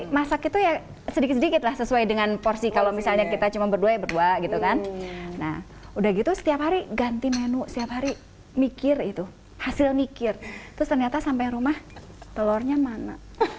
jadi masak itu ya sedikit sedikitlah sesuai dengan porsi kalau misalnya kita cuma berdua berdua gitu kan nah udah gitu setiap hari ganti menu setiap hari mikir itu hasil mikir terus ternyata sampai rumah telurnya mana